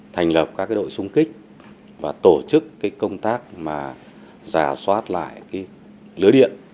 thành lập các đội xung kích và tổ chức công tác giả soát lại lưới điện